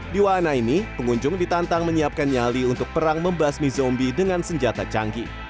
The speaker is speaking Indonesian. di wahana ini pengunjung ditantang menyiapkan nyali untuk perang membasmi zombie dengan senjata canggih